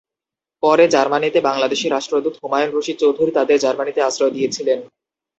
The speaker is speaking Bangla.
পরে জার্মানিতে বাংলাদেশের রাষ্ট্রদূত হুমায়ূন রশীদ চৌধুরী তাদের জার্মানিতে আশ্রয় দিয়েছিলেন।